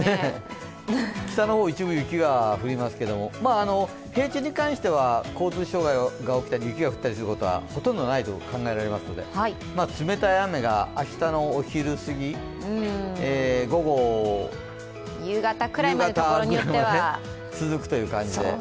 北の方、一部、雪が降りますけど、平地に関しては交通傷害が起きたり、雪が降ったりすることはほとんどないと考えられますので冷たい雨が明日のお昼過ぎ、午後、夕方ぐらいまで続くという感じ。